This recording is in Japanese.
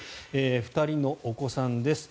２人のお子さんです。